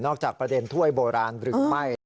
นอกจากประเด็นถ้วยโบราณดรึไม่